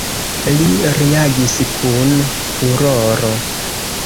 Li reagis kun furoro.